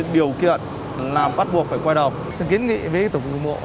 điều kiện làm bắt buộc phải quay đầu